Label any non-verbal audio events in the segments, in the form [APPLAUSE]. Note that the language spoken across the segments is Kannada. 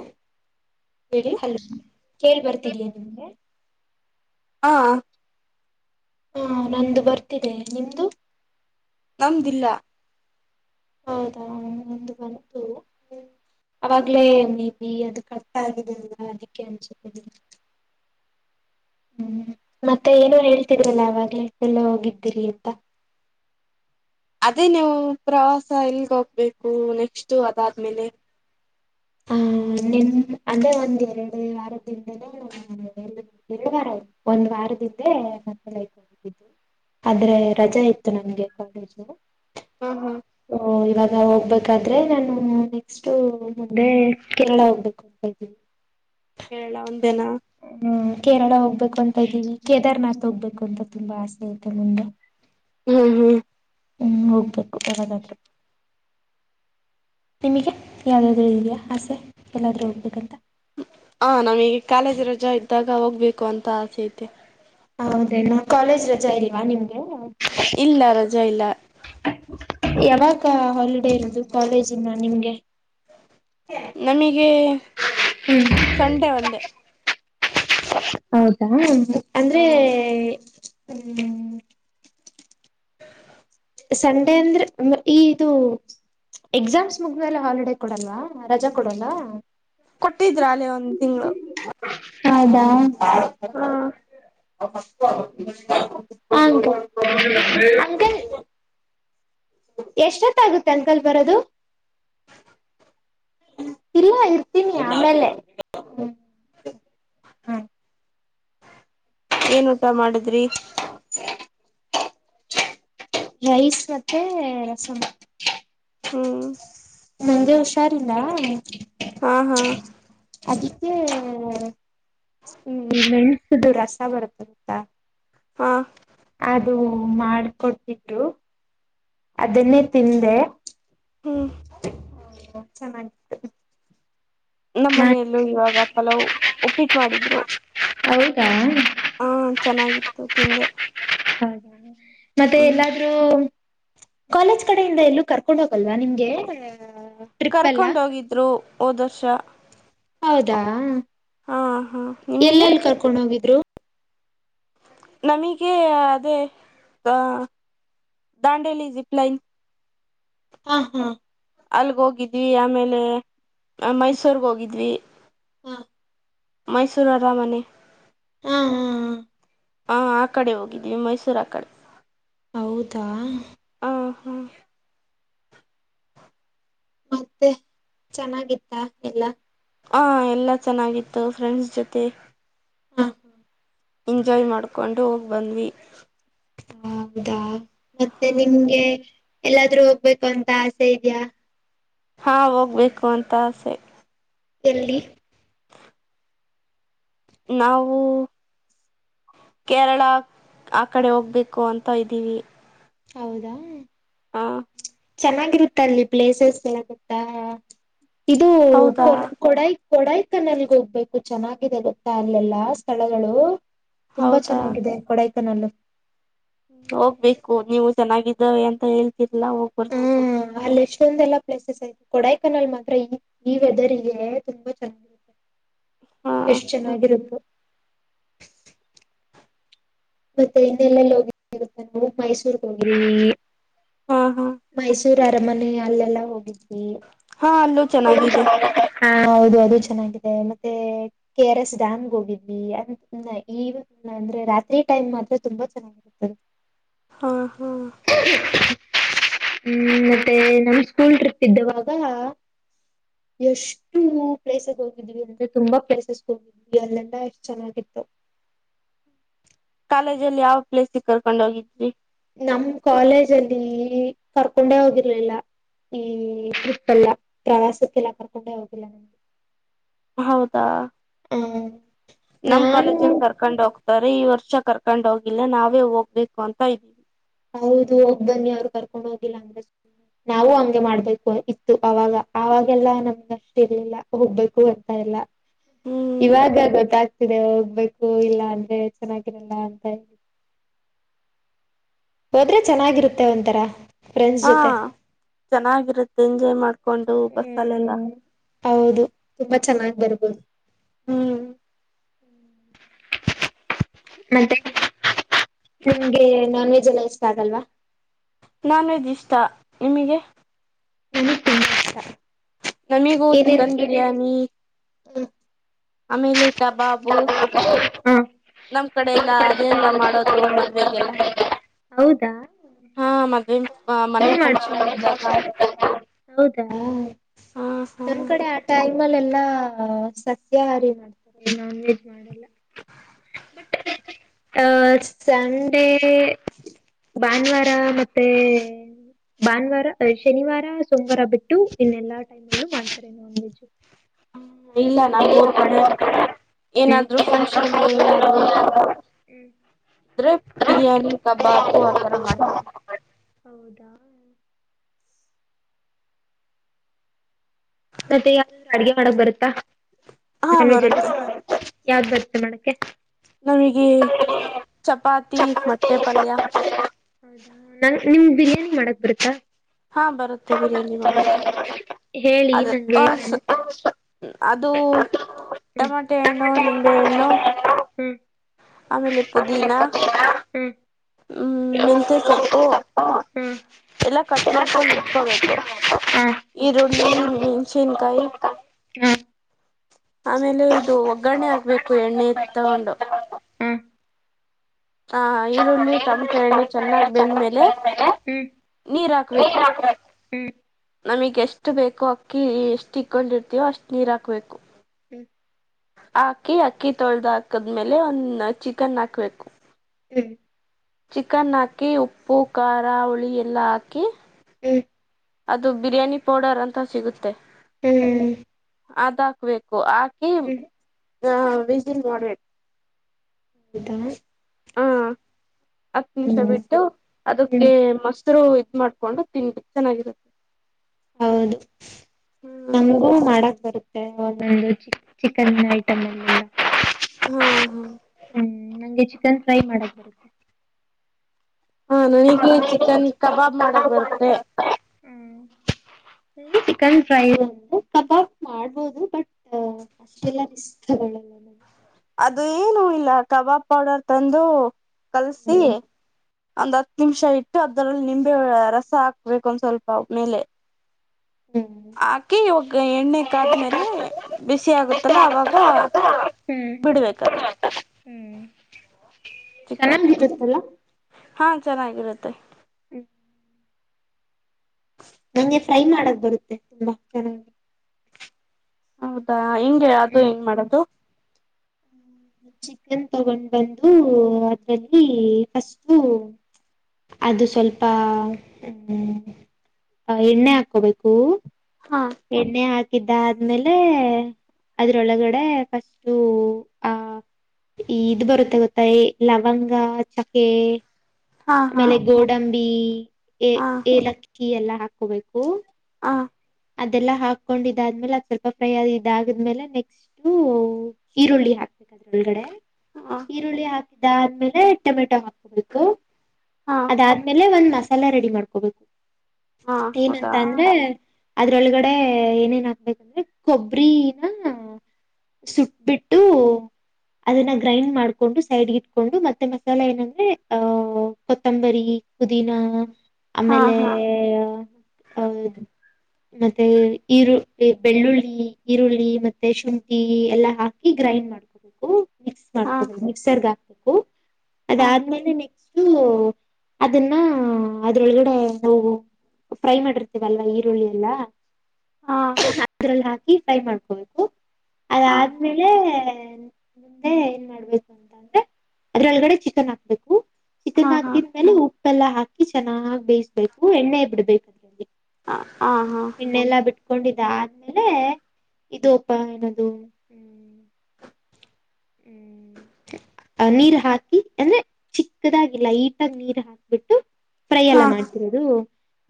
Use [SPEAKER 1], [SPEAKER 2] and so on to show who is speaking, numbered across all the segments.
[SPEAKER 1] ಹ
[SPEAKER 2] ಹೇಳಿ
[SPEAKER 1] ಹಲೋ ಕೇಳ್ ಬರ್ತಿದಯಾ ನಿಮ್ಗೆ
[SPEAKER 2] ಹಾ
[SPEAKER 1] ಹಾ ನಂದು ಬರ್ತಿದೆ ನಿಮ್ದು
[SPEAKER 2] ನಮ್ದಿಲ್ಲ
[SPEAKER 1] ಹೌದಾ ಒಂದು ಬಂತು ಹ್ಮ ಅವಾಗ್ಲೇ ಮೇ ಬಿ ಅದು ಕಟ್ಟಾಗಿದೆ ಅದಕ್ಕೆ ಅನ್ಸುತ್ತ ಹ್ಮ್ ಮತ್ತೆ ಏನೋ ಹೇಳ್ತರಲ್ಲ ಅವಾಗ್ಲೇ ಎಲ್ಲ ಹೋಗಿದ್ದೀರಿ ಅಂತ
[SPEAKER 2] ಅದೇ ನೀವು ಪ್ರವಾಸ ಎಲ್ಗ ಹೋಗ್ಬೇಕು ನೆಕ್ಸ್ಟ್ ಅದಾದ್ಮೇಲೆ
[SPEAKER 1] ಆ ನಿನ್ ಅದೇ ಒಂದ್ ಎರಡು ವಾರದಿಂದ ಎ ವಾರ ಒಂದ್ ವಾರದಿಂದೇ ಮತ್ತ ಹೋಗಿದ್ದು ಆದ್ರೆ ರಜೆ ಇತ್ತು ನಮ್ಗೆ ಕಾಲೇಜು
[SPEAKER 2] ಹಾ ಹಾ
[SPEAKER 1] ಓ ಇಲ್ಲಾಗ ಹೋಗ್ಬೇಕಾದ್ರೆ ನಾನು ನೆಕ್ಸ್ಟ್ ಅ ಕೇರಳ ಉ
[SPEAKER 2] ಕೇಳ ಒಂದು
[SPEAKER 1] ಹ್ಮ್ ಕೇರಳ ಹೋಗ್ಬೇಕು ಅಂತ ಇದ್ದೀವಿ ಕೇದಾರ್ನಾಥ್ ತೋಗ್ಬೇಕು ಅಂತ ತುಂಬಾ ಆಸೆ ಐತೆ ಮುಂದೆ
[SPEAKER 2] ಹ್ಮ್ ಹ್ಮ್
[SPEAKER 1] ಹ್ಮ್ ಹೋಗ್ಬೇಕು ಯಾದಾದ್ರುೂ ನಿಮಗೆ ಯಾವ್ದಾದ್ ಇದೆಯಾ ಆಸೆ ಎಲ್ಲಾದ್ರೂ ಹೋಗ್ಬೇಕಂತ
[SPEAKER 2] ಹ ನಮಗೆ ಕಾಲೇಜ್ ರಜಾ ಇದ್ದಾಗ ಹೋಗ್ಬೇಕು ಅಂತ ಆಸೆ ಐತೆ
[SPEAKER 1] ಹೌದೇ ನಾ ಕಾಲೇಜ್ ರಜಾ ಇೀವಾ ನಿಮ್ಗೆ
[SPEAKER 2] ಇಲ್ಲ ರಜಾ ಇಲ್ಲ
[SPEAKER 1] ಯಾವಾಗ ಹಾಲಿಡೇ ಇರೋದು ಕಾಲೇಜಿನ ನಿಮ್ಗೆ
[SPEAKER 2] ನಮಗೆ ಸಂಡೆ ಒಂದೇ
[SPEAKER 1] ಹೌದಾ ಅಂದ್ರೆ
[SPEAKER 2] ಹ
[SPEAKER 1] ಹ್ಮ್ ಸಂಡೆ ಅಂದ್ರೆ ಈ ಇದು ಎಕ್ಸಾಮ್ಸ್ ಮುಗ್ಮೇಲೆ ಹಾಲಿಡ ಕೊಡಲ್ವಾ ರಜಾ ಕೊಡಲ್
[SPEAKER 2] ಕೊಟ್ಟಿದ್ರ ಅಲ್ಲಿ ಒಂದ್ ತಿಂಗಳ
[SPEAKER 1] ಹೌದಾ ಹ ಹ ಎಷ್ಟೊತ್ತಾಗುತ್ತೆ ಅಂಕಲ್ ಬರೋದು ಇಲ್ಲ ಇರ್ತೀನಿ ಆಮಲೆ ಹ್ಮ
[SPEAKER 2] ಏನ್ ಊಟ ಮಾಡುದ್ರಿ
[SPEAKER 1] ರೈಸ್ ಮತ್ತೆ ರಸಂ
[SPEAKER 2] ಹ್ಮ್
[SPEAKER 1] ನಂಗೆ ಹುಷಾರಿಲ್ಲ
[SPEAKER 2] ಹಾ ಹಾ
[SPEAKER 1] ಅದಕ್ಕೆ [INAUDIBLE] ಹ್ಮ್ ಮೆಣಸುದು ರಸ ಬರುತ್ತೆ ಗೊತ್ತ
[SPEAKER 2] ಹಾ
[SPEAKER 1] ಅದು ಮಾಡಕೊಟ್ಟಿದ್ರು ಅದನ್ನೇ ತಿಂದೆ
[SPEAKER 2] ಹ್ಮ್
[SPEAKER 1] ಚೆನ್ನಾಗಿತ್ತು
[SPEAKER 2] ನಮ್ಮ ಮನೆಯಲ್ಲೂ ಇವಾಗ ಪಲವು ಒಪ್ಪಿಟ್ಟ ಮಾಡಿದ್ರು
[SPEAKER 1] ಹೌದಾ
[SPEAKER 2] ಹ ಚೆನ್ನಾಗಿತ್ತು ತಿಂದೆ
[SPEAKER 1] ಹೌದ ಮತ್ತೆ
[SPEAKER 2] ಹ್ಮ್
[SPEAKER 1] ಎಲ್ಲಾದ್ರೂ ಕಾಲೇಜ್ ಕಡೆಯಿಂದ ಎಲ್ಲೂ ಕರ್ಕೊಂಡ್ ಹೋಗಲ್ವಾ ನಿಮ್ಗೆ ಟ್ರಿಪ್ ಎಲ್ಲ
[SPEAKER 2] ಕರ್ಕೊಂಡ ಹೋಗಿದ್ರು ಹೋದರ್ಷ
[SPEAKER 1] ಹೌದಾ
[SPEAKER 2] [INAUDIBLE] ಹಾ ಹಾ ನಿಮಗೆ
[SPEAKER 1] ಎಲ್ಲೆಲ್ಲಿ ಕರ್ಕೊಂಡ್ ಹೋಗಿದ್ರು
[SPEAKER 2] ನಮಗೆ ಅದೇ [INAUDIBLE] ದಾಂಡೇಲಿ ಜಿಪ್ಲೈನ್
[SPEAKER 1] ಹಾ ಹಾ
[SPEAKER 2] ಅಲ್ಗೆ ಹೋಗಿದ್ವಿ ಆಮೇಲೆ ಮೈಸೂರ್ಗೇ ಹೋಗಿದ್ವಿ
[SPEAKER 1] ಹಾ
[SPEAKER 2] ಮೈಸೂರು ಅರಮನೆ
[SPEAKER 1] ಹಾ ಹಾ
[SPEAKER 2] [INAUDIBLE] ಹಾ ಆ ಕಡೆ ಹೋಗಿದ್ವಿ ಮೈಸೂರ ಆ ಕಡೆ
[SPEAKER 1] ಹೌದಾ
[SPEAKER 2] ಹಾ ಹಾ
[SPEAKER 1] ಮತ್ತೆ [INAUDIBLE] ಚೆನ್ನಾಗಿತ್ತ ಎಲ್ಲಾ
[SPEAKER 2] ಹಾ ಎಲ್ಲ ಚೆನ್ನಾಗಿತ್ತು ಫ್ರೆಂಡ್ಸ್ ಜೊತೆ
[SPEAKER 1] ಹಾ ಹಾ
[SPEAKER 2] ಎಂಜಾಯ್ ಮಾಡ್ಕೊಂಡು ಹೋಗ್ಬಂದ್ವಿ
[SPEAKER 1] ಹಾ ಹೌದಾ ಮತ್ತೆ
[SPEAKER 2] ಹ್ಮ್
[SPEAKER 1] ನಿಮ್ಗೆ ಎಲ್ಲಾದ್ರೂ ಹೋಗ್ಬೇಕು ಅಂತ ಆಸೆ ಇದ್ಯಾ
[SPEAKER 2] ಹಾ ಹೋಗ್ಬೇಕು ಅಂತ ಆಸೆ
[SPEAKER 1] ಎಲ್ಲಿ
[SPEAKER 2] ನಾವು [INAUDIBLE] ಕೇರಳ ಆ ಕಡೆ ಹೋಗ್ಬೇಕು ಅಂತ ಇದ್ದೀವಿ
[SPEAKER 1] ಹೌದಾ
[SPEAKER 2] ಹಾ
[SPEAKER 1] ಚೆನ್ನಾಗಿರುತ್ತ ಅಲ್ಲಿ ಪ್ಲೇಸ್ ಎಲ್ಲಾ ಗೊತ್ತ ಇದು
[SPEAKER 2] ಹೌದಾ
[SPEAKER 1] ಕೊಡಾಯ ಕೊಡಕ್ಕೆನಾಲ್ ಹೋಗ್ಬೇಕು ಚೆನ್ನಾಗಿದೆ ಗೊತ್ತ ಅಲ್ಲೆಲ್ಲ ಸ್ಥಳಗಳು ತುಂಬಾ
[SPEAKER 2] ಹೌದಾ
[SPEAKER 1] ಚೆನ್ನಾಗಿದೆ ಕೊಡ [UNINTELLIGIBLE]
[SPEAKER 2] ಹೋಗ್ಬೇಕು ನೀವು ಚೆನ್ನಾಗಿದ್ದಾವೆ ಅಂತ ಹೇಳ್ತ ಎಲ್ಲ ಹೋಗ್ಬರ್ತೀವಿ
[SPEAKER 1] ಅಷ್ಟೊಂದೆಲ್ಲಾ ಪ್ಲೇಸಸ್ ಇಟ್ಟು ಕೊಡಕೆನಾಲ್ ಮಾತ್ರ ಈ ಈ ವೆದರ್ಗೆ ತುಂಬಾ ಚನ್ನಾಗಿ
[SPEAKER 2] ಹಾ
[SPEAKER 1] ಎಷ್ಟು
[SPEAKER 2] ಹಾ
[SPEAKER 1] ಚೆನ್ನಾಗಿರುತ್ತೋ ಮತ್ತೆ ಇನ್ನೆಲ್ಲೆಲ್ಲಿ ಹೋಗಿ ಇರುತ್ತ ಮೈಸೂರ್ ಹೋಗಿ
[SPEAKER 2] ಹಾ ಹಾ
[SPEAKER 1] ಮೈಸೂರು ರಮನೆ ಅಲ್ಲೆಲ್ಲಾ ಹೋಗಿ
[SPEAKER 2] ಹಾ ಅಲ್ಲೂ ಚೆನ್ನಾಗಿದೆ
[SPEAKER 1] ಹಾ ಹೌದು ಅದು ಚೆನ್ನಾಗಿತ್ತು ಮತ್ತೆ ಕೆ ಆರ್ ಎಸ್ ಡ್ಯಾಮ್ಗೆ ಹೋಗಿದ್ವಿ [UNINTELLIGIBLE] ಅಂದ್ರೆ ರಾತ್ರಿ ತುಂಬಾ ಚೆನ್ನಾಗಿರುತ್ತದೆ [INAUDIBLE]
[SPEAKER 2] ಹಾ ಹಾ
[SPEAKER 1] ಹ್ಮ್ ಮತ್ತೆ ನಮ ಸ್ಕೂಲ್ ಟ್ರಿಪ್ ಇದ್ದವಾಗ [INAUDIBLE] ಎಷ್ಟು ಪ್ಲೇಸ್ ಹೋಗಿದ್ವಿ ಅಂದ್ರೆ ತುಂಬಾ ಪ್ಲೇಸಸ್ ಹೋಗಿದ್ವಿ ಅಲ್ಲೆಲ್ಲ ಎಷ್ಟು ಚೆನ್ನಾಗಿತ್ತು
[SPEAKER 2] ಕಾಲೇಜಲ್ಲಿ ಯಾವ ಪ್ಲೇಸ್ಗೆ ಕರ್ಕೊಂಡ ಹೋಗಿದ್ರಿ
[SPEAKER 1] ನಮ್ ಕಾಲೇಜ್ ಅಲ್ಲಿ ಕರ್ಕೊಂಡೆ ಹೋಗಿರ್ಲಿಲ್ಲ ಈ ಟ್ರಿಪ್ ಎಲ್ಲ ಪ್ರವಾಸಕ್ಕೆಲ್ಲ ಕರ್ಕೊಂಡೆ ಹೋಗಿಲ್ಲ ನಮ್ಗೆ
[SPEAKER 2] ಹೌದಾ
[SPEAKER 1] ಹ್ಮ
[SPEAKER 2] ನಮ್
[SPEAKER 1] ನಾನು
[SPEAKER 2] ಕಾಲೇಜಲ್ಲಿ ಕರ್ಕೊಂಡ್ ಹೋಗ್ತಾರೆ ಈ ವರ್ಷ ವರ್ಷ ಕರ್ಕೊಂಡ ಹೋಗಿಲ್ಲ ನಾವೇ ಹೋಗ್ಬೇಕು ಅಂತ ಇದ್ದೀವಿ
[SPEAKER 1] ಹೌದು ಹೋಗ ಬನ್ನಿ ಅವ್ರು ಕರ್ಕೊಂಡ್ ಹೋಗಿಲ್ಲ ಅಂದ್ರೆ ನಾವು ಹಂಗೆ ಮಾಡ್ಬೇಕು ಇತ್ತು ಅವಾಗ ಆವಾಗೆಲ್ಲಾ ನಮ್ಗೆ ಅಷ್ಟ ಇರ್ಲಿಲ್ಲ ಹೋಗ್ಬೇಕು ಅಂತ ಎಲ್ಲ
[SPEAKER 2] ಹ್ಮ್
[SPEAKER 1] ಇವಾಗ ಗೊತ್ತ ಹೋಗ್ಬೇಕು ಇಲ್ಲ ಅಂದ್ರೆ ಚೆನ್ನಾಗಿರಲ್ಲ ಅಂತ ಹೇಳಿ ಹೋದ್ರೆ ಚೆನ್ನಾಗಿರುತ್ತೆ ಒಂಥರಾ
[SPEAKER 2] ಹಾ ಚೆನ್ನಾಗಿರುತ್ತೆ ಎಂಜಾಯ್ ಮಾಡ್ಕೊಂಡು ಬಸ್ಸಾಲೆ ಎಲ್ಲ
[SPEAKER 1] ಹ್ಮ್ ಹೌದು ತುಂಬ ಚಮನ್ ಬರಬ
[SPEAKER 2] ಹ್ಮ್
[SPEAKER 1] ಮತ್ತೆ ನಿಮ್ಗೆ ನಾನ್ ವೆಜ್ ಎಲ್ಲ ಇಷ್ಟ ಆಗಲ್ವಾ
[SPEAKER 2] ನಾನ್ ವೆಜ್ ಇಷ್ಟ ನಿಮಗೆ
[SPEAKER 1] ಎ ತ
[SPEAKER 2] ನಮಿಗೂ ಚಿಕನ್ ಬಿರಯಾನಿ
[SPEAKER 1] ಹ್ಮ
[SPEAKER 2] ಆಮೇಲೆ ಕಬಾಬು
[SPEAKER 1] ಹ
[SPEAKER 2] ನಮ್ ಕಡೆ ಎಲ್ಲಾ ಅದೆಲ್ಲಾ ಮಾಡೋದು ಮದ್ವೆಗೆಲ್ಲ
[SPEAKER 1] ಹೌದಾ
[SPEAKER 2] ಹಾ ಮದ್ ಮನೆ
[SPEAKER 1] ಏನ್ ಮಾಡ
[SPEAKER 2] ಫಂಕ್ಷನ್ ಇದ್ದಾಗ
[SPEAKER 1] ಹೌದಾ
[SPEAKER 2] ಹಾ ಹಾ
[SPEAKER 1] ನಿಮಲೆ ಎಲ್ಲಾ ಸತ್ಯಹಾರಿ ಮಾಡ್ತಾರೆ ನಾನ್ ವೆಜ್ ಮಾಡಲ್ಲ ಅ ಸಂಡೇ ಭಾನುವಾರ ಮತ್ತೆ ಭಾನುವಾರ ಶನಿವಾರ ಸೋಮವಾರ ಬಿಟ್ಟು ಇನ್ನೆಲ್ಲಾ ಟೈಮ್ ಅನ್ನು ಮಾಡ್ತಾರೆ ನಾನ್ ವೆಜ್
[SPEAKER 2] ಇಲ್ಲ ನಮ್ಮ್ ಮೂರ್ ಕಡೆ
[SPEAKER 1] ಹ್ಮ್
[SPEAKER 2] ಏನಾದ್ರು ಫಂಕ್ಷನ್ನು ಏನಾದ್ರು ಇದ್ರೆ ಬಿರಿಯಾನಿ ಕಬಾಬು ಆತರ ಮಾಡ್ತಾರೆ
[SPEAKER 1] ಹೌದಾ ಮತ್ತೆ ಯಾವಾದ ಅಡಗೆ ಮಾಡಕ್ ಬರುತ್ತಾ
[SPEAKER 2] ಹಾ
[SPEAKER 1] ನ
[SPEAKER 2] ಬರುತ್ತೆ.
[SPEAKER 1] ಯಾವ್ದ್ ಬರ್ತ್ತೆ ಮೇಡಕ್ಕೆ
[SPEAKER 2] ನಮಗೆ ಚಪಾತಿ ಮಟ್ಟೆ ಪಲ್ಯ
[SPEAKER 1] ಹೌದಾ ನಂಗ ನಿಮ್ ಬಿರಿಯಾನಿ ಮಾಡಕ್ ಬರುತ್ತಾ
[SPEAKER 2] ಹಾ ಬರುತ್ತೆ ಬಿರಿಯಾನಿ ಮಾಡಕ್ಕೆ
[SPEAKER 1] ಹೇಳಿ
[SPEAKER 2] ಅದೇ
[SPEAKER 1] ನಂಗೆ
[SPEAKER 2] ಹ ಅದು ಟಮಾಟೆ ಹಣ್ಣು ಲಿಂಬೆಹಣ್ಣು
[SPEAKER 1] ಹ್ಮ್ ಹ್ಮ
[SPEAKER 2] ಹ್ಮ್ ಮೆಂತೆ ಸೊಪ್ಪು
[SPEAKER 1] ಹ್ಮ್
[SPEAKER 2] ಎಲ್ಲ ಕಟ್ ಮಾಡ್ಕೊಂಡ್ ಇಟ್ಕೋಬೇಕು
[SPEAKER 1] ಹಾ ಹ್ಮ
[SPEAKER 2] ಈರುಳ್ಳಿ
[SPEAKER 1] ಹ್ಮ್ ಹ್ಮ್
[SPEAKER 2] ಮೆಣಸಿನ್ಕಾಯಿ
[SPEAKER 1] ಹ್ಮ್ ಹ್ಮ್ ಹ್ಮ್
[SPEAKER 2] ಆಮೇಲೆ ಇದು ಒಗ್ಗರಣೆ ಆಗ್ಬೇಕು ಎಣ್ಣೆ ತಗೊಂಡು
[SPEAKER 1] ಹಾಂ
[SPEAKER 2] ಹ ಈರುಳ್ಳಿ ಟಮಟೆ
[SPEAKER 1] ಹ್ಮ್ ಹ್ಮ್
[SPEAKER 2] ಹಣ್ಣು ಚೆನ್ನಾಗ್ ಬೆಂದ್ಮೇಲೆ ನೀರ್ ಹಾಕ್ಬೇಕು ನಮಗ್ ಎಷ್ಟು ಬೇಕೋ ಅಕ್ಕಿ ಎಷ್ಟ್ ಇಕ್ಕೊಂಡಿರ್ತೀಯೋ ಅಷ್ಟ್ ನೀರ್ ಹಾಕ್ಬೇಕು
[SPEAKER 1] ಹ್ಮ
[SPEAKER 2] ಹಾಕಿ ಅಕ್ಕಿ ತೊಳ್ದ ಹಾಕದ್ಮೇಲೆ ಒನ್ ಚಿಕನ್ ಹಾಕ್ಬೇಕು.
[SPEAKER 1] ಹ್ಮ್
[SPEAKER 2] ಚಿಕನ್ ಹಾಕಿ ಉಪ್ಪು ಖಾರ ಹುಳಿ ಎಲ್ಲ ಹಾಕಿ
[SPEAKER 1] ಹ್ಮ
[SPEAKER 2] ಅದು ಬಿರಿಯಾನಿ ಪೌಡರ್ ಅಂತ ಸಿಗುತ್ತೆ
[SPEAKER 1] ಹ್ಮ್
[SPEAKER 2] ಅದ್ ಹಾಕ್ಬೇಕು ಹಾಕಿ ಹಾ ವಿಜಿಲ್ ಮಾಡಬೇಕು
[SPEAKER 1] ಹೌದಾ
[SPEAKER 2] ಹಾ ಹತ್ತ್ ನಿಮಷ
[SPEAKER 1] ಹ್ಮ್
[SPEAKER 2] ಬಿಟ್ಟು
[SPEAKER 1] ಹ್ಮ್
[SPEAKER 2] ಅದಕ್ಕೆ ಮಸ್ ರು ಇದ್ ಮಾಡ್ಕೊಂಡು ತಿನ್ಬೇಕ್ ಚೆನ್ನಾಗಿರುತ್ತೆ.
[SPEAKER 1] ಹೌದು
[SPEAKER 2] ಹ್ಮ್
[SPEAKER 1] ನಮಗೂ ಮಾಡಕ್ ಬರುತ್ತೆ ಒಂದೊಂದು ಚಿಕನ್ ಐಟಮ್ಮಲ್ಲೆಲ್ಲ.
[SPEAKER 2] ಹೂ ಹ್ಮ್
[SPEAKER 1] ಹ್ಮ್ ನಂಗೆ ಚಿಕನ್ ಫ್ರೈ ಮಾಡಕ್ ಬರುತ್ತೆ
[SPEAKER 2] ಹಾ ನನಗೆ ಚಿಕನ್ ಕಬಾಬ್ ಮಾಡಕ್ ಬರುತ್ತೆ.
[SPEAKER 1] ಹ್ಮ್ ಚಿಕನ್ ಫ್ರೈ ಒಂದು ಕಬಾಬ್ ಮಾಡ್ಬೋದು ಬಟ್ ಗಿರೈಸ್ ತಗೋಳಲ್ಲ ನಾನು
[SPEAKER 2] ಅದು ಏನು ಇಲ್ಲ ಕಬಾಬ್ ಪೌಡರ್ ತಂದು ಕಲಸಿ ಒಂದ್ ಹತ್ತ್ ನಿಮಿಷ ಇಟ್ಟು ಅದರಲ್ಲಿ ನಿಂಬೆ ರಸ ಹಾಕ್ಬೇಕು ಒಂದ ಸ್ವಲ್ಪ ಮೇಲೆ
[SPEAKER 1] ಹ್ಮ್
[SPEAKER 2] ಹಾಕಿ ಇವಾಗ ಎಣ್ಣೆ ಕಾದ್ಮೇಲೆ ಬಿಸಿ ಆಗುತ್ತಲ್ಲ ಅವಾಗ
[SPEAKER 1] ಹ್ಮ್
[SPEAKER 2] ಬಿಡ್ಬೇಕದು
[SPEAKER 1] ಹ್ಮ್
[SPEAKER 2] ಚಿಕನ್
[SPEAKER 1] ಚೆನ್ನಾಗಿರುತ್ತಲ್ಲ
[SPEAKER 2] ಹಾ ಚೆನ್ನಾಗಿರುತ್ತೆ.
[SPEAKER 1] ಹ್ಮ ನಂಗೆ ಫ್ರೈ ಮಾಡಕ್ ಬರುತ್ತೆ ತುಂಬಾ ಚೆನ್ನಾಗಿ
[SPEAKER 2] ಹೌದಾ ಹಿಂಗೆ ಅದು
[SPEAKER 1] ಹ್ಮ್
[SPEAKER 2] ಹೆಂಗ್ ಮಾಡೋದು.
[SPEAKER 1] ಚಿಕನ್ ತಗೊಂಡ್ ಬಂದು ಅದ್ರಲ್ಲಿ ಫಸ್ಟು ಅದು ಸ್ವಲ್ಪ ಹ್ಮ ಆ ಎಣ್ಣೆ ಹಾಕೋಬೇಕು.
[SPEAKER 2] ಹಾ
[SPEAKER 1] ಎಣ್ಣೆ ಹಾಕಿ ಆಕಿದ್ದಾದ್ಮೇಲೆ ಅದ್ರೊಳಗಡೆ ಫಸ್ಟು ಆಹ ಈ ಇದು ಬರುತ್ತೆ ಗೊತ್ತಾ ಲವಂಗ ಚಕ್ಕ
[SPEAKER 2] ಹಾ ಹಾ
[SPEAKER 1] ಆಮೇಲೆ ಗೋಡಂಬಿ ಬಿ ಎ ಎಲಕ್ಕಿ ಎಲ್ಲ ಹಾಕೋಬೇಕು.
[SPEAKER 2] ಹಾ
[SPEAKER 1] ಅದೆಲ್ಲಾ ಹಾಕೊಂಡ್ ಇದಾದ್ಮೇಲೆ ಅದು ಸ್ವಲ್ಪ ಫ್ರೈ ಆದ ಇದ ಆದಾದ್ಮೇಲೆ ನೆಕ್ಸ್ಟ್ ಈರುಳ್ಳಿ ಹಾಕ್ಬೇಕು ಅದ್ರ ಒಳಗಡೆ
[SPEAKER 2] ಹಾ
[SPEAKER 1] ಈರುಳ್ಳಿ ಹಾಕಿ ಇದಾದ್ಮೇಲೆ ಟೊಮೆಟೊ ಹಾಕ ಹಬೇಕು
[SPEAKER 2] ಹಾ
[SPEAKER 1] ಅದಾದ್ಮೇಲೆ ಒಂದ್ ಮಾಸ ಮಸಾಲಾ ರೆಡಿ ಮಾಡ್ಕೋಬೇಕು
[SPEAKER 2] ಹಾ ಹೌದಾ
[SPEAKER 1] ಏನಂತ ಅಂದ್ರೆ ಅದ್ರೊಳಗಡೆ ಏನೇನ್ ಹಾಕ್ಬೇಕಂದ್ರೆ ಕೊಬ್ಬರಿನ ಸುಟ್ಬಿಟ್ಟು ಅದನ್ನ ಗ್ರೈಂಡ್ ಮಾಡ್ಕೊಂಡು ಸೈಡ್ಗ ಇಟ್ಕೊಂಡು ಮತ್ತೆ ಮಸಾಲೆ ಏನಂದ್ರೆ ಅಹ ಕೊತ್ತಂಬರಿ ಪುದನಾ
[SPEAKER 2] ಹಾ
[SPEAKER 1] ಆಮೇಲೆ
[SPEAKER 2] ಹಾ
[SPEAKER 1] ಅ ಮತ್ತೆ ಈರು ಬೆಳ್ಳುಳ್ಳಿ ಈರುಳ್ಳಿ ಮತ್ತೆ ಶುಂಠಿ ಎಲ್ಲಾ ಹಾಕಿ ಗ್ರೈಂಡ್ ಮಾಡ್ಕೋಬೇಕು ಮಿಕ್ಸ್
[SPEAKER 2] ಹಾ
[SPEAKER 1] ಮಾಡ್ಕೋಬೇಕು ಮಿಕ್ಸರ್ಗ ಹಕ್ ಹಕು [UNINTELLIGIBLE] ಅದ
[SPEAKER 2] ಹಾ
[SPEAKER 1] ಆದ್ಮೇಲೆ ನಿ ಅದನ್ನ ಅದ್ರೊಳಗಡೆ ನಾವು ಫ್ರೈ ಮಾಡಿರ್ತೀವಲ್ಲ ಈರುಳ್ಳಿ ಇಲ್ಲ
[SPEAKER 2] ಹಾ
[SPEAKER 1] ಹ್ರ ಫ್ರೈ ಮಾಡ್ಕೋಬೇಕು
[SPEAKER 2] ಹಾ
[SPEAKER 1] ಅದಾದ್ಮೇಲೆ ಮುಂದೆ ಏನ್ ಮಾಡ್ಬೇಕು ಅಂತ ಅಂದ್ರೆ ಅದ್ರೊಳಗಡೆ ಚಿಕನ್ ಹಾಕ್ಬೇಕು
[SPEAKER 2] ಹಾ
[SPEAKER 1] ಚಿಕನ್
[SPEAKER 2] ಹಾ ಹಾ
[SPEAKER 1] ಹಾಕಿದ ಮೇಲೆ ಉಪ್ಪ ಪ್ಪಲ್ಲ ಹಾಕಿ ಚೆನ್ನಾಗ್ ಬೇಯಿಸ್ಬೇಕು ಎಣ್ಣೆ ಬಿಡ್ಬೇಕು ಅದ್ರಗೆ
[SPEAKER 2] ಹಾ ಹಾ
[SPEAKER 1] ಇ್ಣೆಲ್ಲಾ ಬಿಟ್ಕೊಂಡ ೊಂಡ ಆದ್ಮೇಲೆ ಇದು ಅಪ ಏನದು ಹ್ಮ್ ಹ್ಮ್ ನೀರ್ ಹಾಕಿ ಅಂದ್ರೆ ಚಿಕ್ಕದಾಗಿ ಲೈಟ್ ಆಗಿ ನೀರ್ ಹಾಕ್ಬಿಟ್ಟು ಫ್ರೈ ಎಲ್ಲ
[SPEAKER 2] ಹಾ
[SPEAKER 1] ಮಾಡ್ತಿರೋದು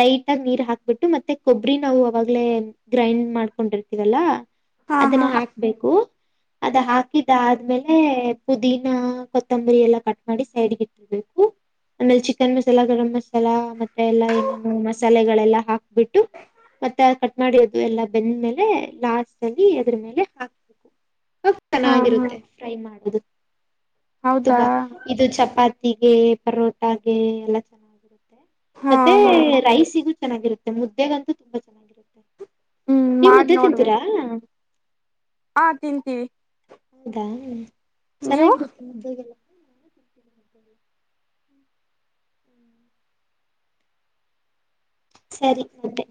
[SPEAKER 1] ಲಟೈಟ್ ಆಗಿ ನೀರ್ ಹಾಕ್ಬಿಟ್ಟು ಮತ್ತೆ ಕೊಬ್ಬರಿ ನಾವು ಅವಾಗ್ಲೇ ಗ್ರೈಂಡ್ ಮಾಡ್ಕೊಂಡಿರ್ತಿದಲ್ಲ
[SPEAKER 2] ಹಾ
[SPEAKER 1] ಅದನ್ನ
[SPEAKER 2] ಹಾ
[SPEAKER 1] ಹಾಕ್ಬೇಕು ಅದ ಹಾಕಿ ಅ ಆದ್ಮೇಲೆ ಪುದೀನಾ ಕೊತ್ತಂಬರಿ ಎಲ್ಲಾ ಕಟ್ ಮಾಡಿ ಸೈಡ್ಗೆ ಇಟ್ಟಿರ್ಬೇಕು ಆಮೇಲೆ ಚಿಕನ್ ಮಸಾಲ ಗರಂ್ ಮಸಾಲ ಮತ್ತೆ ಎಲ್ಲಾ ಏನೇನು ಮಸಾಲೆಗಳೆಲ್ಲ ಹಾಕ್ಬಿಟ್ಟು ಮತ್ತೆ ಕಟ್ ಮಾಡಿ ಅದು ಎಲ್ಲ ಬೆಂದ್ಮೇಲೆ ಲಾಸ್ಟ್ ಅಲ್ಲಿ ಅದ್ರ ಮೇಲೆ ಹಾಕ್ಬೇಕು ಹ
[SPEAKER 2] ಹಾ
[SPEAKER 1] ಚೆನ್ನಾಗಿರುತ್ತೆ ಮೆ ಫ್ರೈ ಮಾಡುದು
[SPEAKER 2] ಹೌದಾ
[SPEAKER 1] ತುಂಬಾ ಇದು ಚಪಾತಿ ತ್ತಿಗೆ ಪರೋಟಾಗೆ ಎಲ್ಲ ಚೆನ್ನ
[SPEAKER 2] ಹಾ
[SPEAKER 1] ಮತ್ತೆ
[SPEAKER 2] ಹಾ
[SPEAKER 1] ರೈಸ್ ಸಿಗುತ್ತೆ ಚೆನ್ನಾಗಿರುತ್ತೆ ಮುದ್ದೆಗಂತೂ ತುಂಬ ಚನ್ನಾಗಿರುತ್ತೆ.
[SPEAKER 2] ಹ್ಮ್
[SPEAKER 1] ನೀವು
[SPEAKER 2] ಮಾಡ್
[SPEAKER 1] ಮುದ್ದೆ ತಿಂತೀರಾ?
[SPEAKER 2] ನೋಡ್ಬೇಕು ಹಾ ತಿಂತೀವಿ
[SPEAKER 1] ಹೌದಾ
[SPEAKER 2] ನೀವು
[SPEAKER 1] ಚೆನ್ನಾಗಿರುತ್ತೆ ಮುದ್ದೆಗೆಲ್ಲ ಸರಿ ಬಂದೆ